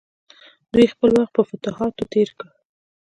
دوی خپل وخت په فتوحاتو تیر کړ.